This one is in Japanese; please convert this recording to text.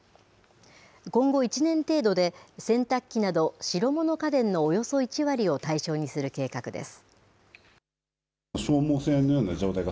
今後１年程度で洗濯機など白物家電のおよそ１割を対象にする計画です。